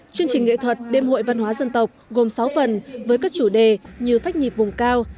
chương trình nghệ thuật đêm hội văn hóa dân tộc gồm sáu phần với các chủ đề như phách nhịp vùng cao